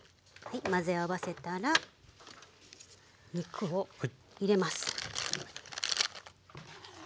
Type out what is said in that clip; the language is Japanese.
混ぜ合わせたら肉を入れます。